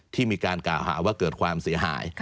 ที่มีการกล่าวหาว่าเกิดความเสียหาย